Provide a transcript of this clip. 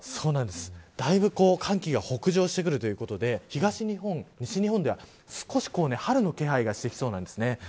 だいぶ寒気が北上してくるということで東日本、西日本では少し春の気配がしてきそうなんです。